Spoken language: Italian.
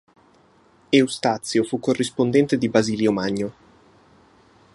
Eustazio fu corrispondente di Basilio Magno.